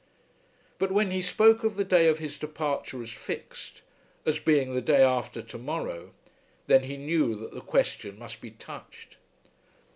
But when he spoke of the day of his departure as fixed, as being "the day after to morrow," then he knew that the question must be touched.